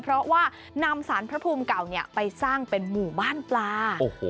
เพราะว่านำสารพระภูมิเก่าไปสร้างเป็นหมู่บ้านปลา